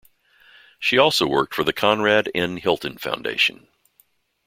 She also worked for the Conrad N. Hilton Foundation.